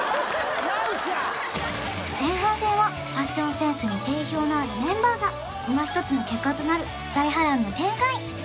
ラウちゃん前半戦はファッションセンスに定評のあるメンバーがいまひとつの結果となる大波乱の展開